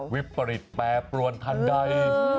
วิปริตแปรปรวนทันใด